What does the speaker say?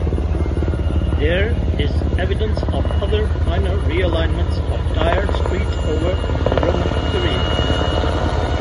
There is evidence of other minor realignments of Dere Street over the Roman period.